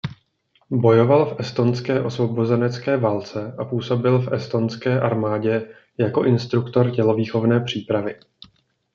Bojoval v estonské osvobozenecké válce a působil v estonské armádě jako instruktor tělovýchovné přípravy.